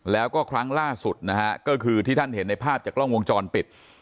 แล้วก็ครั้งล่าสุดนะฮะก็คือที่ท่านเห็นในภาพจากกล้องวงจรปิด